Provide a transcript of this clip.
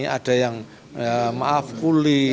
ada yang maaf kulih